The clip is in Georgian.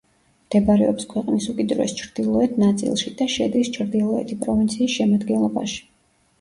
მდებარეობს ქვეყნის უკიდურეს ჩრდილოეთ ნაწილში და შედის ჩრდილოეთი პროვინციის შემადგენლობაში.